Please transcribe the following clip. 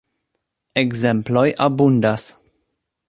Ekzemploj abundas.